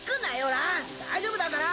蘭大丈夫だから。